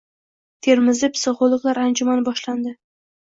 Termizda psixologlar anjumani boshlandi